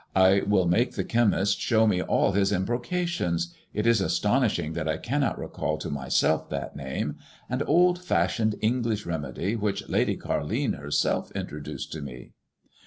I will make the chemist show me all his embrocations. It is as tonishing that I cannot recall to myself that name. An old fashioned English remedy which Lady Carline herself introduced to me."